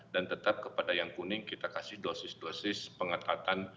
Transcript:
dan tetap kepada yang kuning kita kasih dosis dosis pengatatan